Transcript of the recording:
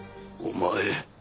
お前。